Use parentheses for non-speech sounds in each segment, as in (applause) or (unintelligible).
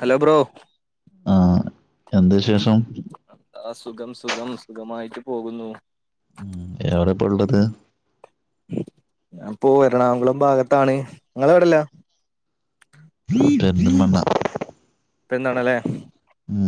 Hello bro ആ എന്താ ഉം വിശേഷം ആഹ് സുഖം സുഖം സുഖമായിട്ട് പോകുന്നു എവിട ഇപ്പോ ഉള്ളത് ഞാൻ പ്പോ എറണാകുളം ഭാഗത്താണ് നിങ്ങളെവിടല്ല പെരിന്തൽമണ്ണ ഇപ്പന്നാണല്ലേ? ഉം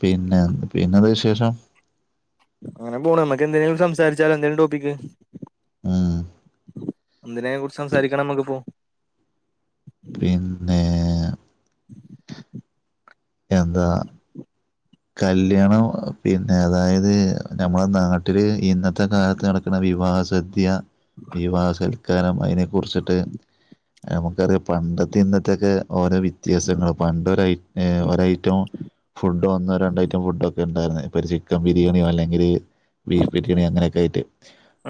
പിന്നെ പിന്നെന്താ വിശേഷം അങ്ങനെ പോണ് മ്മക്ക് എന്തേലും സംസാരിച്ചാലോ എന്തേലും ടോപ്പിക്ക് ഉം എന്തിനെക്കുറിച്ച് പി- സംസാരിക്കണം മ്മക്കിപ്പോ? പിന്നെ എന്താ കല്യാണം പിന്നെ അതായത് നമ്മളെ നാട്ട (unintelligible) ഇന്നത്തെ കാലത്ത് നടക്കുന്ന വിവാഹസദ്യ വിവാഹ കാരണം അതിനെക്കുറിച്ചിട്ട് നമുക്കറിയാം പണ്ടത്തെ ഇന്നത്തെൊക്കെ ഓരോ വ്യത്യാസങ്ങള് പണ്ടൊരയ്‌ ഒരയിറ്റവും ഫുഡ് വന്ന രണ്ട് ഐറ്റം ഫുഡൊക്കെണ്ടായിരുന്നു ഇപ്പ ഒരു ചിക്കൻ ബിരിയാണിയോ അല്ലെങ്കിൽ ബീഫ് ബിരിയാണിയോ അങ്ങനൊക്കെ ആയിട്ട്.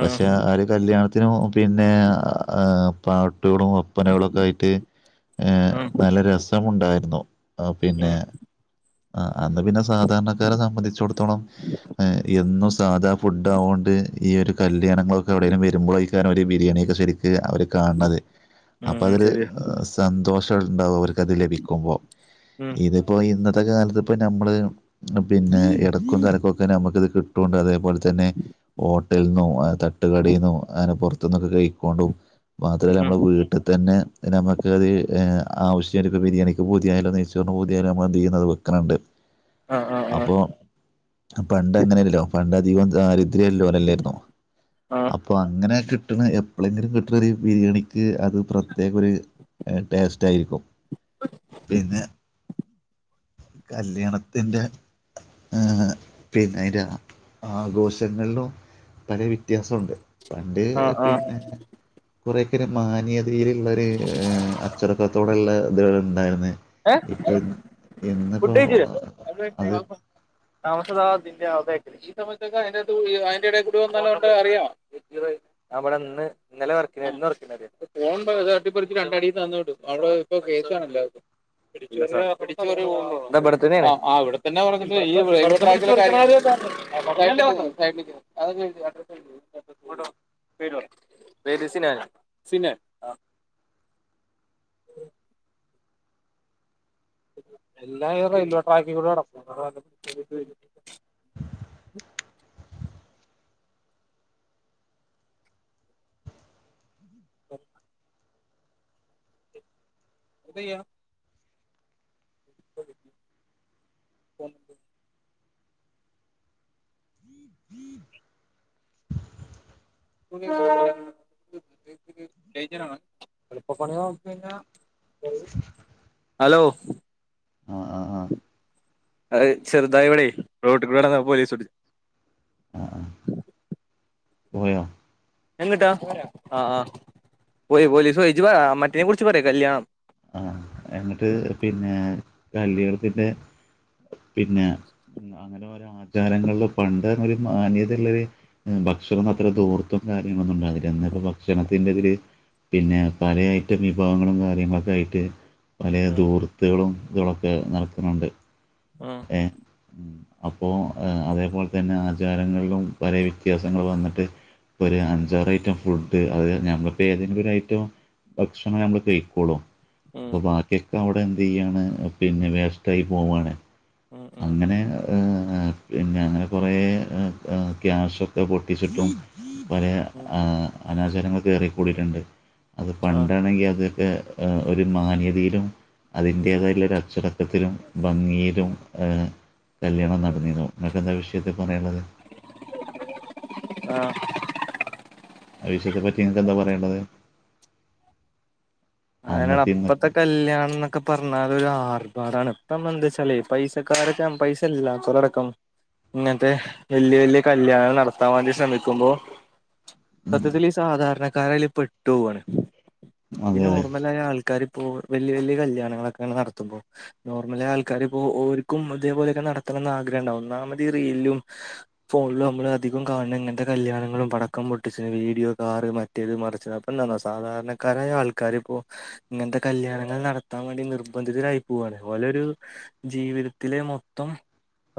പക്ഷെ ഉം ആ ഒരു കല്യാണത്തിനും പിന്നെ ആ ആ പാർട്ടികളും ഉപ്പനകളൊക്കെ ആയിട്ട് ഏ ഉം നല്ല രസമുണ്ടായിരുന്നു ആഹ് പിന്നെ ഉം ആഹ് അന്ന് പിന്നെ സാധാരണക്കാരെ സംബന്ധിച്ചോടത്തോളം, ഏഹ് എന്നും സാധാ ഫുഡ് ആവോണ്ട് ഈ ഒരു കല്യാണങ്ങളൊക എവിടെലും വരുമ്പലെയ്കാരം അവര് ബിരിയാണിയൊക്കെ ശരിക്ക് അവര് കാൺണത് അപ്പോ ഉം അതൊര് ശരിയാ ആഹ് സന്തോഷണ്ടാവും അവർക്കത് ലഭിക്കുമ്പോ ഉം ഇതിപ്പോ ഇന്നത്തെ ഇപ്പത്തകാലത്ത് ഇപ്പ നമ്മള് പിന്നെ ഇടക്കും തലക്കുക്കെ നമുക്കിത് കിട്ടുംണ്ട് അതേപോലെ തന്നെ ഹോട്ടൽന്നോ ആഹ് തട്ടുകടീന്നോ അങ്ങനെ പുറത്ത്ന്നൊക്കെ കഴിക്കൊണ്ടു മാത്രല്ല ഉം നമ്മളെ വീട്ടിത്തന്നെ ഡാ നമ്മക്ക അത് ഏ ആവശ്യള്ള ബിരിയാണിക്ക് പൂതിയാല്ലോ നെയ്ച്ചോറ്ന് പൂതിയല്ലോ നമ്മളത് ചെയ്യുന്നത് വെക്ക്ണണ്ട് ആ ആ ആ അപ്പോ പണ്ട് അങ്ങനെയല്ലല്ലോ പണ്ട് അധികവും ദാരിദ്രലോലല്ലെയ്നോ ആപ് ആ അപ്പൊ അങ്ങനെ കിട്ടണ എപ്പളെങ്കിലും കിട്ടനൊരു ബിരിയാണിക്ക് അത് പ്രത്യേക ഒരു എ ടേസ്റ്റ് ആയിരിക്കും പിന്നെ കല്യാണത്തിന്റെ ആഹ് പിന്നെ അയ്‌ന്റെ ആഘോഷങ്ങളിലും പല വ്യത്യാസംണ്ട് ആ ആ പണ്ട്പിന്നേ കൊറേക്കൊരു മാന്യതീലള്ളര് ഏഹ് അച്ചടക്കത്തോടെള്ള ഇതാള്ണ്ടായിനു ഇപ്പയ്ന്ന ഫുഡഴിച്ചീലെ? അത് താമസ ദാ തിന്റെ ആ സൈഡില് ഈ സമയത്തൊക്കെ അതിന്റെ അഴിന്റെ ഇടേകൂടെ വന്നലോട്ട് അറിയോ? ഇക്റഹ് ഞാൻ ഇവിടെന്ന് ഇന്നലെ വർക്ക് (unintelligible) ഫോൺ തട്ടിപ്പറിച്ച് രണ്ട് അടിയും തന്ന് ‌വിടുംഅവൾ ഇപ്പ കേൾക്കാണ് എല്ലാവർതും ആ ഇവിടെത്തെനേണ് പറഞ്ഞട്ട് ഇ (unintelligible) (inaudible) ഇങ്ങോട്ട് വാ പേര് പറ, പേര് സിനാന് സിനാൻ! എല്ലാ ഈ റെയിൽവേ ട്രാക്കി കൂടെ നടക്കും (unintelligible) (inaudible) എന്തെയ്യാ? (inaudible) ഉ (inaudible) ഡൈഞ്ചറാണ് എളുപ്പ പണികളൊക്കെ കഴിഞ്ഞാൽ അലോ ആഹ് ആഹ് ആഹ് അഹ് ചെറ്തായി ഇവിടെയ് റോഡുകൂടെ നടന്നപ്പോ പോലീസുടിച്ച് ആഹ് പോയോ എങ്ട്ടാ? ഇപ്പ വെരാ ആ ആ പോയി പോലീസോയി ഇജ്ജ് പറ മറ്റിനെ കുറിച്ച് പറി കല്യാണം. എന്നട്ട് പിന്നേ കല്യാണതിന്റെ പിന്നെ അങ്ങനെ ഓരോ ആചാരങ്ങളും പണ്ട്ർഞ്ഞാ ഒരു മാന്യതള്ളെര് ഭക്ഷണൊന്നു അത്ര ദൂർത്തും കാര്യങ്ങളൊന്നും ഉണ്ടാവില്ല ഇന്ന്പ്പൊ ഭക്ഷണത്തി പിന്നെതില് പിന്നെ പല ഐറ്റം വിഭവങ്ങളും കാര്യങ്ങളൊക്കെ ആയിട്ട് പലേ ഉം, ദൂർത്ത്ളും ഇതൊക്കെ നടക്ണ്ണ്ണ്ട് ആഹ് ഏഹ് അപ്പോ അതേപോലെതന്നെ ആചാരങ്ങളിലും പല വിത്യാസങ്ങൾ വന്നിട്ട് ഇപ്പൊ ഒരഞ്ചാറൈറ്റം ഫുഡ് അത് ഞമ്മളിപ്പോ ഏതെങ്കിലൊരു ഐറ്റം ഭക്ഷണം നമ്മള് കഴിക്കൊളളു ഉം, അപ്പൊ ബാക്കിയൊക്കെ എന്തയ്യാണ് പിന്നെ വേസ്റ്റായി പോവാണ്. ഉം, ഉം. അങ്ങനെഹ് ഏ പിന്നെങ്ങനെ കുറേ ക്യാശൊക്കെ പൊട്ടിച്ചിട്ടും പലേ മ് അനാചാരങ്ങൾ കേറിക്കൂടിയിട്ട്ണ്ട് അത് ആഹ് പണ്ടാണെങ്കി അതൊക്കെ ആഹ് ഒരു മാന്യതയിലും അതിൻ്റേതായിള്ളൊരു അച്ചടക്കത്തിലും ഭംഗിയിലും എ കല്യാണം നടനിന്നു ഇങ്ങട്ടെന്താ വിഷയത്തിൽ പറയാള്ളത് (inaudible) ആ. ആ വിശയെത്തെ പറ്റി നിങ്ങൾക്കെന്താ പറയാള്ളത് അന്നത്തെ അയിനപ്പത്തെ ഇന്നത്തെ കല്യാണന്നൊക്കേ പറഞ്ഞാലൊരു ആർഭാടാണ് ഇപ്പമ്മളെന്തേച്ചാലെ പൈസക്കാരൊക്കെ പൈസല്ലാതോലടക്കം ഇങ്ങൻത്തെ വെല്യ വെല്യ കല്യാണം നടത്താൻ വേണ്ടി ശ്രമിക്കുമ്പോ (inaudible) സത്യത്തില് ഈ സാധാരണക്കാരയില് പെട്ടോവാണ്. ഈ അതെ അതെ നോർമലായ ആൾക്കാരിപ്പോ വെല്യെ വെല്യെ കല്യാണങ്ങളൊക്കെങ്ങനെ നടത്തുമ്പോ നോർമലായ ആൾക്കാരിപ്പോ ഓര്ക്കും ഇതേപോലെയൊക്കെ നടത്തണംന്ന് ആഗ്രഹണ്ടാവും. ഒന്നാമതീ റീലിലും ഫോണിൽ നമ്മള് അധികംകാൻനേ ഇങ്ങനത്തെ കല്യാണങ്ങളും, പടക്കം പൊട്ടിച്ച ണ്ത്, വീഡിയോ, കാറ് മ മറ്റേത് മറിച്ചത് അപ്പ എന്താ സാധാരണക്കാരായ ആൾക് കാര്യപ്പോ ഇങ്ങൻത്തെ കല്യാണങ്ങള് നടത്താ വേണ്ടി നിർബന്ധിതരായി പോവാണ് ഓലൊരു ജീവിതത്തിലെ മൊത്തം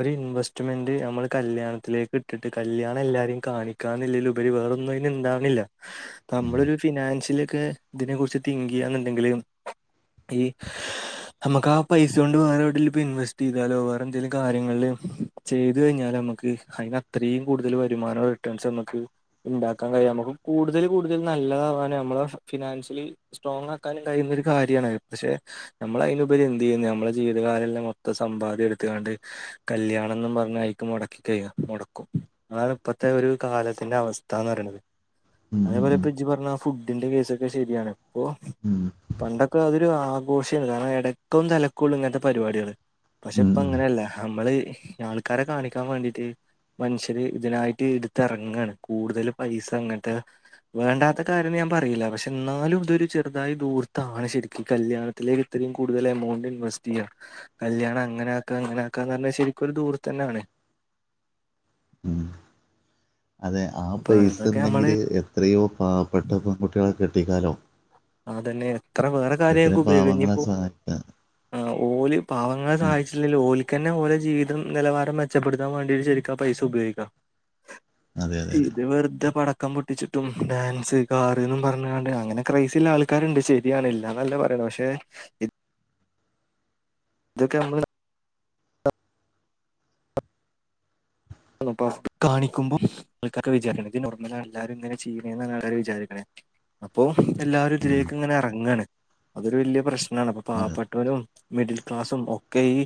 ഒരു ഇൻവെസ്റ്റ്മെന്റ് നമ്മൾ കല്യാണത്തിലേക്ക് ഇട്ടിട്ട് കല്യാണം എല്ലാരിം കാണി കാണുന്നില്ലേല്ലുപരി വേറൊന്നും അതിന് ഇണ്ടാവുന്നില്ല, ഉം. നമ്മളൊരു ഫിനാൻഷ ലി ഒക്കെ ഇതിനെ കുറിച്ച് തിങ്ക് ചെയ്യാന്നുണ്ടെങ്കില് ഈ നമുക്ക് ആ പൈസ കൊണ്ട് വേറെ എവിടേലും ഇപ്പോ ഇൻവെസ്റ്റ് ചെയ്താലോ വേറെ എന്തെങ്കിലും കാര്യങ്ങളില് ചെയ്തു കഴിഞ്ഞാൽ നമ്മക്ക് അതിന് അത്രയും കൂടുതൽ വരുമാനം റിട്ടേൺസ് നമ്മക്ക് ണ്ടാക്കാൻ കഴിയും, നമുക്ക് കൂടുതൽ കൂടുതൽ നല്ലതാവാന് നമ്മടെ ഫിനാൻഷ്യ ഈ സ്ട്രോങ് ആക്കാനും കഴിയുന്ന ഒരു കാര്യണ് പക്ഷെ നമ്മൾ അയിനുപരി എന്ത് ചെയ്യും നമ്മളെ ജീവിതകാലം ഒള്ള മൊത്തം സമ്പാദ്യം എടുത്ത്കാണ്ട് കല്യാണം എന്ന് പറഞ്ഞ ആയിക്ക് മുടക്കിക്കഴ മുടക്കും അതാണ് ഇപ്പത്തെ ഒരു കാലത്തിന്റെ അവസ്ഥ എന്ന് പറയണത്. ഉം, ഉം, അതേപോലെ ഉം, പ്പ ജ്ജ് പർഞ്ഞ ആ ഫുഡിന്റെ കേസൊക്കെ ശരിയാണ് ഇപ്പോ ഉം, പണ്ടൊക്കെ അതൊരു ആഘോഷം ആയിരുന്നു കാരണം എടയ്ക്കും തലക്കൂള്ളു ഇങ്ങനത്തെ പരിപാടികള്. പക്ഷെ ഉം, ഇപ്പ ഉം, അങ്ങനെയല്ല നമ്മള് ആൾക്കാരെ കാണിക്കാൻ വേണ്ടീട്ട് മനുഷ്യര് ഇതിനായിട്ട് ഇടുത്തിറങ്ങാണ് കൂടുതൽ പൈസ അങ്ങൻത്തെ വേണ്ടാത്ത കാര്യം ന്ന് ഞാൻ പറയില്ല പക്ഷെ എന്നാലും ഇതൊരു ചെറുതായി ദൂർത്താണ് ശരിക്കും കല്യാണത്തിലേക്ക് ഇത്രയും കൂടുതൽ എമൗണ്ട് ഇൻവെസ്റ്റ് ചെയ്യ. കല്യാണം അങ്ങനെ ആക്ക അങ്ങനെ ആക്കാന്ന് പറഞ്ഞാ ശരിക്കും ഒരു ദൂർത്ത്ന്നെയാണ്. ഉം അതെ ആ അപ്പൊ അതൊക്കെ നമ്മള് പൈസണ്ടെങ്കില് എത് ത്രയോ പാവപ്പെട്ട പെൺകുട്ടികളെ കെട്ടിക്കാലോ? അതന്നെ എത്ര വേറെ എത്ര കാര്യങ്ങക്ക് ഉപയോഗിക്കാം പാവങ്ങളെ ഇനിയപ്പോ സഹായിക്കാം ആ ഓല് പാവങ്ങളെ ഉം സഹായിച്ചില്ലേലും ഓല് പിന്നെ ഓലെ ജീവിതം നിലവാരം മെച്ചപ്പെടുത്താൻ വേണ്ടിട്ട് ശരിക്ക്‌ ആ പൈസ ഉപയോഗിക്കാം. അതെ അതെ അതെ ഇത് വെറുതെ പടക്കം പൊട്ടിച്ചിട്ടും ഡാൻസ് കാറ്ന്നും പറഞ്ഞാണ്ട് അങ്ങനൊ ക്രൈസ് ചില ആൾക്കാരുണ്ട് ശരിയാണ് ഇല്ലന്നല്ല പറണ് പക്ഷെ (unintelligible) (unintelligible) കാണിക്കുമ്പം ആൾക്കാർക്ക് വിചാരാണ് ഇത് നോർമലാ എല്ലാരും ഇങ്ങനെ ചെയ്യണേന്ന് ആണ് എല്ലാരും വിചാരിക്കണേ പ്പൊ എല്ലാരും ഉം ഇതിലേക്ക്ങ്ങനെ ഇറങ്ങാണ് അതൊരു വലിയ പ്രശ്നാണ്. അപ്പൊ അതെ പാവപ്പെട്ടോനും മിഡിൽ ക്ലാസ്സും ഒക്കെ ഈ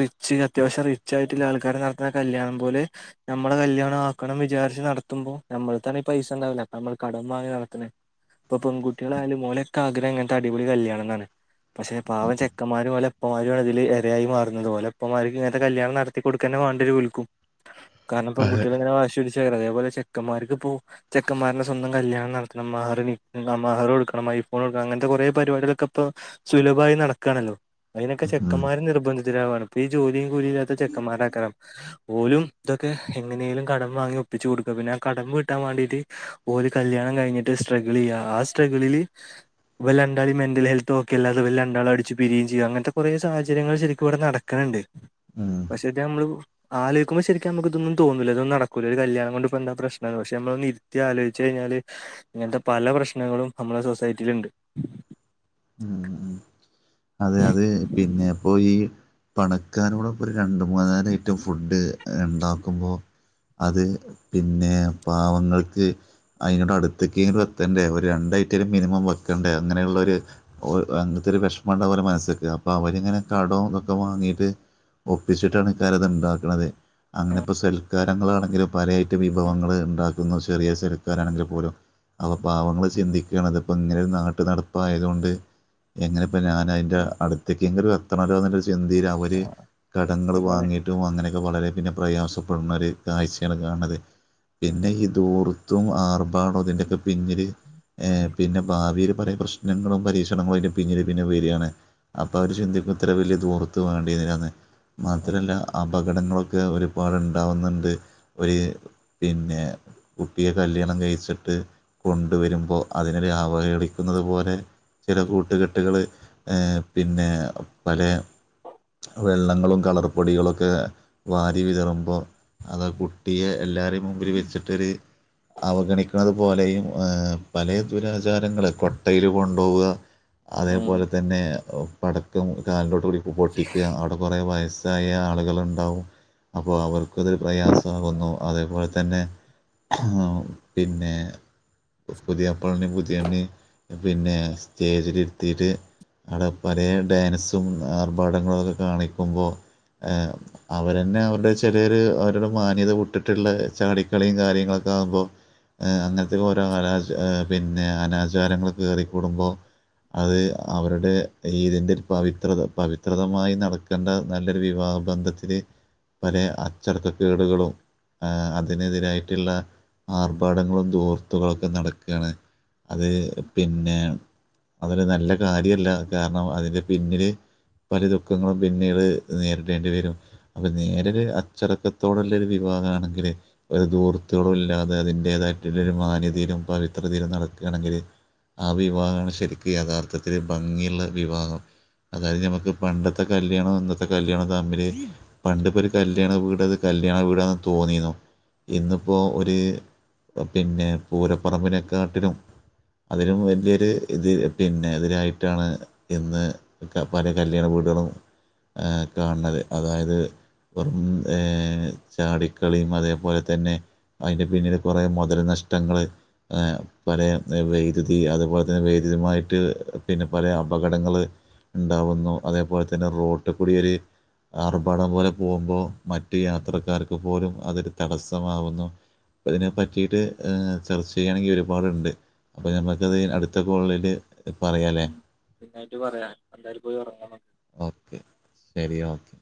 റിച്ച് അത്യാവശ്യം റിച്ച് ആയിട്ടുള്ള ആൾക്കാർ നടത്തുന്ന കല്യാണം പോലെ നമ്മടെ കല്യാണം ആക്കണം വിചാരിച്ച് നടത്തുമ്പോ നമ്മൾതാണെ പൈസ ഉണ്ടാവില്ല നമ്മൾ കടം വാങ്ങി നടത്തണേ പെൺകുട്ടികളായാലും ഓലെക്കെ ആഗ്രഹം ങ്ങനത്തെ അടിപൊളി കല്യാണം ന്നാണ്, പക്ഷെ പാവം ചെക്കന്മാര് ഓലെ ഓലമതില് ഇരയായി മാറുന്നത്‌ ഓലപ്പമാരിക്ക് ഇങ്ങനത്തെ കല്യാണം നടത്തി കൊടുക്കന്നെ വാണ്ട്യരും ഓൽക്കും കാരണം അതെ പെൺട്ടികളിങ്ങനെ വാശി പിടിച്ചു അതേ പോലെ ചെക്കന്മാർക്ക് ഇപ്പോ ചെക്കന്മാരുടെ സ്വന്തം കല്യാണം നടത്തണം മഹർ വി മഹർ കൊടുക്കണം ഐഫോൺ കൊടുക്കണം അങ്ങനത്തെ കുറെേ പരിപാടികളൊക്കെ ഇപ്പൊ സുലഭായി നടക്കാണല്ലോ അതിനൊക്കെ ഉം ചെക്കന്മാർ നിർബന്ധിതരാവാണ്, ഇപ്പ ഈ ജോലിയും കൂലിയും ഇല്ലാത്ത ചെക്കമ്മാ രാക്കാരം.. പോലും ഇതൊക്കെ എങ്ങനെേലും കടം വാങ്ങി ഒപ്പിച്ച് കൊടുക്ക പിന്നെ ആ കടം വിട്ടാൻ വേണ്ടിട്ട് ഓല് കല്യാണം കഴിഞ്ഞിട്ട് സ്ട്രഗിൾ ചെയ്യാ ആ സ്ട്രഗിളില് അവർ രണ്ടാളും മെന്റൽ ഹെൽത്ത് ഒക്കെ അല്ലാതെ രണ്ടാളും അടിച്ച് പിരിയും ചെയ്യും, അങ്ങനത്തെ കുറേ സാഹചര്യങ്ങൾ ശരിക്കും ഇവിടെ നട ക്ക്‌ണ് ണ്ട്. ഉം പക്ഷേ ഇത് നമ്മള് ആലോയ്ക്കുമ്പോ ശരിക്ക്‌ നമുക്ക് ഇതൊന്നും തോന്നൂല്ല, ഇതൊന്നും നടക്കൂല്ല, ഒരു കല്യാണം കൊണ്ട് പ്പോ എന്ത പ്രശ്നംന്ന് പക്ഷെ നമ്മളൊന്ന് ഇരുത്തി ആലോചിച്ച് കഴിഞ്ഞാല് ഇങ്ങനത്തെ പല പ്രശ്നങ്ങളും നമ്മുടെ സൊസൈറ്റിയില് ഉണ്ട്. ഉം ഉം അതെ അത് പിന്നെ പോയി പണക്കാരോടെപ്പോ ഒരു രണ്ട് മൂന്നാല് ഐറ്റം ഫുഡ് ഉണ്ടാക്കുമ്പോ അത് പിന്നെ പാവങ്ങൾക്ക് അതിനോട് അടുത്തെങ്കിലും എത്തണ്ടേ ഒരു രണ്ട് ഐറ്റമേലും മിനിമം വെക്കണ്ടേ അങ്ങനെയുള്ളൊരു ഒര് അങ്ങത്തെ ഒരു വിഷമണ്ട പോലെ മനസ്സക്ക്, അപ്പൊ അവരിങ്ങനെ കടോ ഇതൊക്കെ വാങ്ങീട്ട് ഒപ്പിച്ചിട്ടാണ് ഇ കാര്യം ഇത് ഇണ്ടാക്ക്ണതേ അങ്ങനെ ഇപ്പോൾ സൽക്കാരങ്ങളാണെങ്കിലും പലയായിട്ട് വിഭവങ്ങൾ ഉണ്ടാക്കുന്നു ചെറിയ സൽക്കാരാണെങ്കിൽ പോലും. അപ്പൊ പാവങ്ങൾ ചിന്തിക്കുന്നത് ഇപ്പോൾ ഇങ്ങനെ ഒരു നാട്ട് നടപ്പായതുകൊണ്ട് എങ്ങനെ ഇപ്പൊ ഞാൻ അതിൻ്റെ ആഹ് അടുത്തേക്ക് എങ്കിലും എത്തണല്ലോ എന്നൊരു ചിന്തയിൽ അവര് കടങ്ങൾ അതാണ് വാങ്ങിയിട്ട് ഏറ്റവും അങ്ങനെയൊക്കെ വളരെ പിന്നെ പ്രയാസപ്പെടുന്നോര് കാഴ്ചയാണ് കാണുന്നത് പിന്നെ ഈ ധൂർ ത്തും ആർഭാടവും അതിന്റൊക്കെ പിന്നില് ഹെ പിന്നെ ഭാവിയിൽ പല പ്രശ്നങ്ങളും പരീക്ഷ ണങ്ങള് നമ്മള് അതിൻ്റെ പിന്നീട് പിന്നെ വരികയാണ് അപ്പോ അവര് ചിന്തിക്കും ഇത്ര വലിയ ധൂർത്ത് വേണ്ടീരുന്നില്ലായെന്ന് മാത്രമല്ല അപകടങ്ങളൊക്കെ ഒരുപാടുണ്ടാവുന്നുണ്ട് ഇപ്പഴ് പിന്നെ കുട്ടിയെ കല്യാണം കഴിച്ചിട്ട് കൊണ്ടു വരുമ്പോൾ അതിനെ അവഹേളിക്കുന്നത് പോലെ ചെല കൂട്ടുകെട്ടുകൾ പിന്നെ പല വെള്ളങ്ങളും കളർ പൊടികളുമൊക്കെ വാരി വിതറുമ്പോൾ അതാ കുട്ടിയെ എല്ലാരെയും മുമ്പില് വെച്ചിട്ടൊരു അവഗണിക്കതുപോലെയും പല ദുരാചാരങ്ങൾ കൊട്ടയിൽ കൊണ്ടുപോവുക ഉം അതേപോലെ തന്നെ പടക്കം കാലിലോട്ട് കൂടി പൊട്ടി അവിടെ കുറേ വയസ്സായ ആളുകളുണ്ടാവും അപ്പോ അവർക്കതൊരു പ്രയാസമാകുന്നു അതേപോലെ തന്നെ പിന്നെ പുതിയാപ്പളേനേം പുതിയണ്ണിനേം പിന്നെ സ്റ്റേജിലിരുത്തിയിട്ട് ആടെ പല ഡാൻസും ആർഭാടങ്ങളുമൊക്കെ കാണിക്കുമ്പോൾ ഏ അവരന്നെ അവരുടെ ചെറിയൊരു അവരുടെ മാന്യത വിട്ടിട്ടുള്ള ചാടിക്കളിയും കാര്യങ്ങളൊക്കെ ആകുമ്പോ അങ്ങനത്തെ ഓരോ അനാ പിന്നെ അനാചാരങ്ങൾ കേറിക്കൂടുമ്പോ അത് അവരുടെ ഇതിന്റെ പവിത്രത പവിത്രതമായി നടക്കേണ്ട നല്ലൊരു വിവാഹ ബന്ധത്തിന് പല അച്ചടക്ക കേടുകളും അതിനെതിരായിട്ടുള്ള ആർഭാടങ്ങളും ധൂർത്തുകളൊക്കെ നടക്കാണ് അത് പിന്നെ അതൊരു നല്ല കാര്യല്ല കാരണം അതിന്റെ പിന്നില് (unintelligible) ദുഃഖങ്ങളും പിന്നീട് നേരിടേണ്ടി വരും അപ്പൊ നേരെ ഒരു അച്ചടക്കത്തോടുള്ള ഒരു വിവാഹമാണെങ്കില് ഒരു ധൂർത്തുകളും ഇല്ലാതെ അതിന്റേതായിട്ടുള്ള ഒരു മാന്യതയിലും പവിത്രതയിലും നടക്കുകയാണെങ്കില് ആ വിവാഹമാണ് ശരിക്കും യഥാർത്ഥത്തിൽ ഭംഗിയുള്ള വിവാഹം അതായത് നമുക്ക് പണ്ടത്തെ ത്തെ കല്യാണവും ഇന്നത്തെ കല്യാണവും തമ്മില് പണ്ടിപ്പോ ഒരു കല്യാണ വീട് അത് കല്യാണ വീടാന്ന് തോന്നിന്നു ഇന്നിപ്പോ ഒരു പിന്നെ പൂരപ്പറമ്പിനെക്കാട്ടിലും അതിലും വലിയൊരു ഇത് പിന്നെ ഇതിനായിട്ടാണ് ഇന്ന് ഒക്കെ പല കല്യാണ വീടുകളും കാണത് അതായത് വെറും ഏ ചാടിക്കളിയും അതേപോലെ തന്നെ അതിന്റെ പിന്നില് കുറേ മൊതൽ നഷ്ടങ്ങള് പല വൈദ്യുതി അതുപോലെ തന്നെ വൈദ്യുതിയുമായിട്ട് പിന്നെ പല അപകടങ്ങള് ഉണ്ടാവുന്നു അതേപോലെ തന്നെ റോഡികൂടിയൊരു ആർഭാടം പോലെ പോകുമ്പോൾ മറ്റ് യാത്രക്കാർക്ക് പോലും അതൊരു തടസ്സമാവുന്നു പ്പൊ ഇതിനെ പറ്റിട്ട് ചർച്ച ചെയ്യുകയാണെങ്കിൽ ഒരുപാടുണ്ട് അപ്പൊ ഞമ്മക്കത് അടുത്ത കോളില് പറയാലേ പിന്നായിട്ട് പറയാൻ എന്തായാലും പോയി ഉറങ്ങണം ഓക്കെ ശരി ഓക്കെ